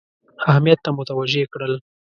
اهمیت ته متوجه کړل.